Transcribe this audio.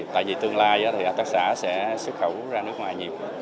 tại vì tương lai thì hợp tác xã sẽ xuất khẩu ra nước ngoài nhiều